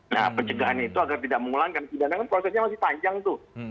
nah pencegahan itu agar tidak mengulangkan pidana kan prosesnya masih panjang tuh